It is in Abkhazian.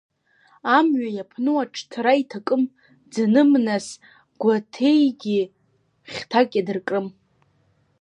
Амҩа иаԥну аҽҭра иҭакым, ӡным, нас, Гәаҭеигьы хьҭак иадыркрым.